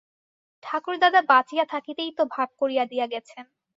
ঠাকুরদাদা বাঁচিয়া থাকিতেই তো ভাগ করিয়া দিয়া গেছেন।